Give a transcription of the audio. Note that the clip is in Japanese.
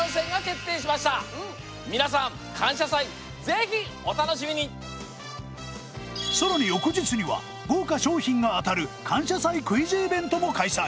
ぜひお楽しみにさらに翌日には豪華賞品が当たる感謝祭クイズイベントも開催！